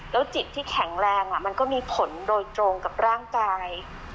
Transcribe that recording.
แล้วจิตที่แข็งแรงมันก็มีผลโดยตรงกับร่างกาย